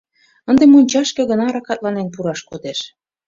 Ынде мончашке гына ракатланен пураш кодеш.